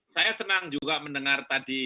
saya senang juga mendengar tadi